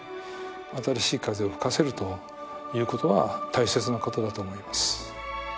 新しい風を吹かせるという事は大切な事だと思います。